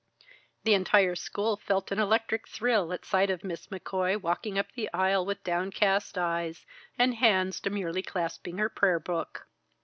The entire school felt an electric thrill at sight of Miss McCoy walking up the aisle with downcast eyes, and hands demurely clasping her prayer book.